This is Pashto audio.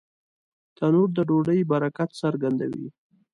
تنور د ډوډۍ برکت څرګندوي